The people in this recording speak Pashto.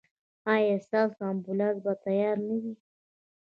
ایا ستاسو امبولانس به تیار نه وي؟